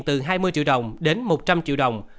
từ hai mươi triệu đồng đến một trăm linh triệu đồng